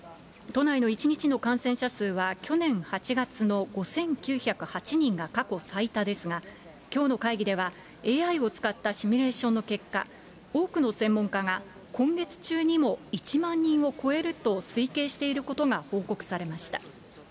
都内の１日の感染者数は、去年８月の５９０８人が過去最多ですが、きょうの会議では、ＡＩを使ったシミュレーションの結果、多くの専門家が今月中にも１万人を超えると推計していることが報告されました。